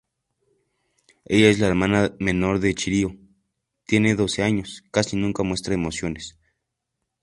Ella es la hermana menor de Chihiro, tiene doce años, casi nunca muestra emociones.